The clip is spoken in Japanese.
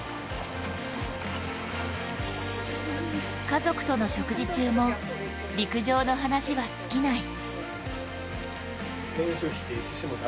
家族との食事中も陸上の話は尽きない。